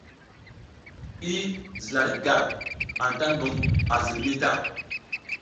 I zila le gar, anta a ngum a zilmi ta.